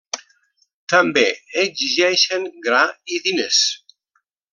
També exigeixen gra i diners.